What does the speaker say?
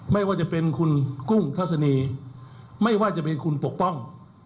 ไม่ว่าจะเป็นคุณกุ้งทัศนีไม่ว่าจะเป็นคุณปกป้อง